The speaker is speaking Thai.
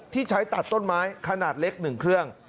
ที่ใช้ตัดต้นไม้ขนาดเล็ก๑เครื่อง